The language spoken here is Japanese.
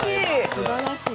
すばらしい。